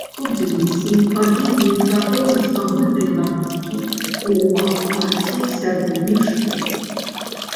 Студыйцы павінны праходзіць агульныя навукі ў абхваце сярэдніх школ.